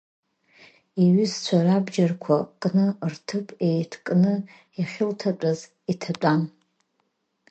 Иҩызцәа рабџьарқәа кны, рҭыԥ еиҭкны иахьылҭатәаз иҭатәан.